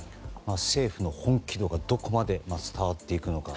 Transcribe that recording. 政府の本気度がどこまで伝わっていくのか。